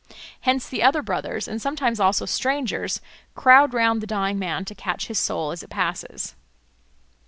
Hence the other brothers, and sometimes also strangers, crowd round the dying man to catch his soul as it passes.